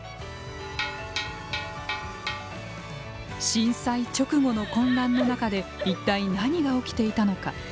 震災直後の混乱の中で一体、何が起きていたのか。